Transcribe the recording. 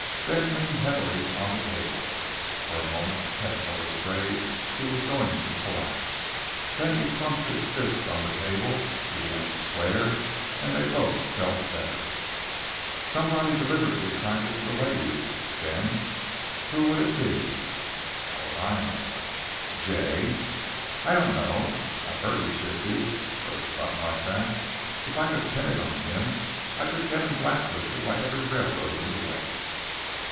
Ben leaned heavily on the table. For a moment Tesno was afraid he was going to collapse. Then he thumped his fist on the table, began to swear, and they both felt better. "Somebody deliberately tried to delay you, Ben. Who would it be?" "How would I know?" "Jay?" "I don't know. I've heard he's shifty but a stunt like that! If I could pin it on him, I could get him blacklisted by every railroad in the West."